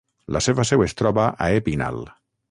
La seva seu es troba a Épinal.